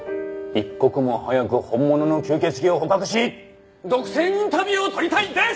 一刻も早く本物の吸血鬼を捕獲し独占インタビューをとりたいです！